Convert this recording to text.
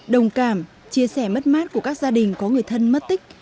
đồng cảm chia sẻ mất mát của các gia đình có người thân mất tích